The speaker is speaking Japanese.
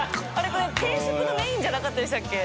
これ定食のメインじゃなかったでしたっけ？